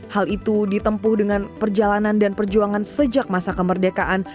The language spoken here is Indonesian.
hal itu ditempuh dengan perjalanan dan perjuangan sejak masa kemerdekaan